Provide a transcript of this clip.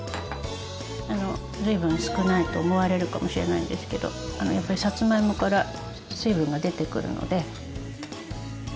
随分少ないと思われるかもしれないんですけどやっぱりさつまいもから水分が出てくるので。